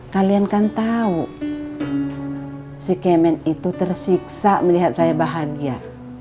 kalian kan tahu si kemen itu tersiksa melihat saya bahagia